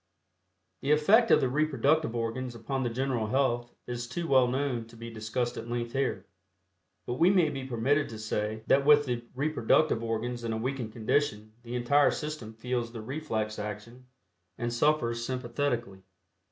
The effect of the reproductive organs upon the general health is too well known to be discussed at length here, but we may be permitted to say that with the reproductive organs in a weakened condition the entire system feels the reflex action and suffers sympathetically.